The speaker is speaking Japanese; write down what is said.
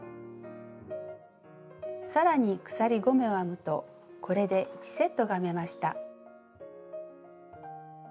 更に鎖５目を編むとこれで１セットが編めました。